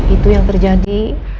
itu yang terjadi